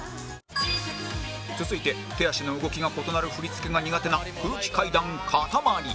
続いて手足の動きが異なる振り付けが苦手な空気階段かたまり